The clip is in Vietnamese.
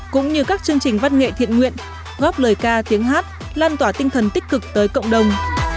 cũng như các chương trình văn nghệ thiện nguyện góp lời ca tiếng hát lan tỏa tinh thần tích cực tới cộng đồng